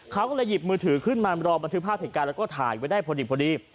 เขาก็เลยหยิบมือถือขึ้นมารอบันทึกภาพเหตุการณ์แล้วก็ถ่ายไว้ได้พอดี